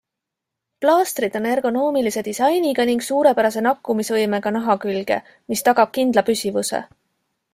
Plaastrid on ergonoomilise disainiga ning suurepärase nakkumisvõimega naha külge, mis tagab kindla püsivuse.